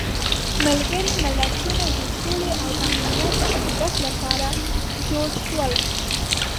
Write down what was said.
ملګري ملتونه د سولې او امنیت د تینګښت لپاره جوړ شول.